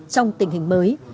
trong tình hình mới